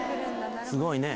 「すごいね」